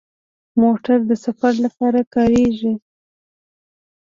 موټر د سفر لپاره کارېږي.